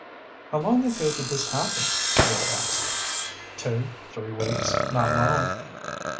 "How long ago did this happen?" Rick asked. "Two, three weeks. Not long."